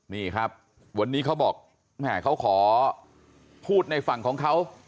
นี่ครับวันนี้เขาบอกแม่เขาขอพูดในฝั่งของเขา